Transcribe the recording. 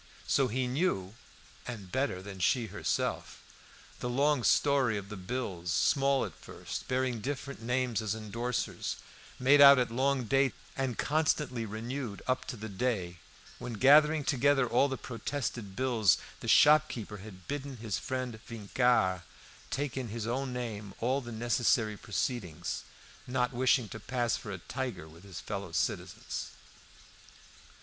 So he knew (and better than she herself) the long story of the bills, small at first, bearing different names as endorsers, made out at long dates, and constantly renewed up to the day, when, gathering together all the protested bills, the shopkeeper had bidden his friend Vincart take in his own name all the necessary proceedings, not wishing to pass for a tiger with his fellow citizens.